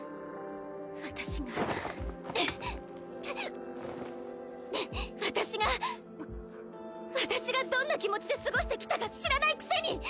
私が私が私がどんな気持ちで過ごしてきたか知らないくせに！